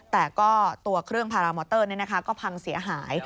แต่ก็ตัวเครื่องพารามอเตอร์ก็พังเสียหาย